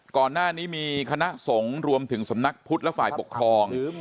ก่อนหน้านี้มีคณะสงฆ์รวมถึงสำนักพุทธและฝ่ายปกครอง